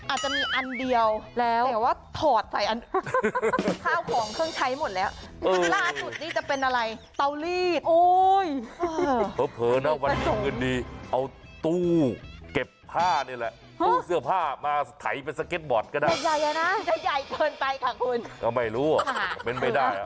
อาจจะมีอันเดียวแต่ว่าถอดใส่อัน